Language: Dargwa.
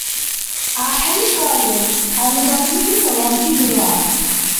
ГӀяхӀли кален, хъалибарглизи саламти дура.